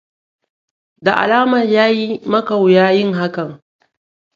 Da alamar yayi maka wuya yin hakan.